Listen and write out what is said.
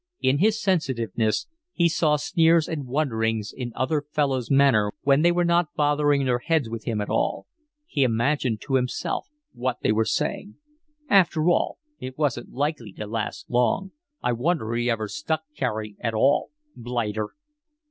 In his sensitiveness he saw sneers and wonderings in other fellows' manner when they were not bothering their heads with him at all. He imagined to himself what they were saying. "After all, it wasn't likely to last long. I wonder he ever stuck Carey at all. Blighter!"